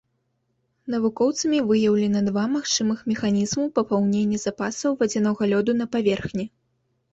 Навукоўцамі выяўлена два магчымых механізму папаўнення запасаў вадзянога лёду на паверхні.